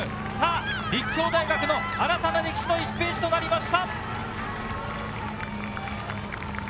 立教大学の新たな歴史の１ページとなりました。